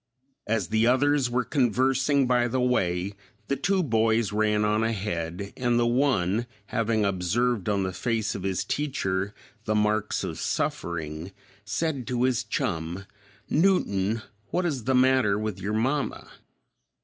As the others were conversing by the way, the two boys ran on ahead and the one, having observed on the face of his teacher the marks of suffering, said to his chum, "Newton, what is the matter with your mamma?"